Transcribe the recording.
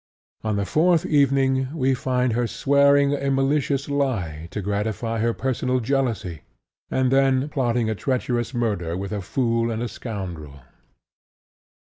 On the fourth evening, we find her swearing a malicious lie to gratify her personal jealousy, and then plotting a treacherous murder with a fool and a scoundrel.